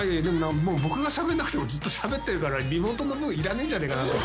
僕がしゃべんなくてもずっとしゃべってるからリモートの部分いらねえんじゃねえかなと。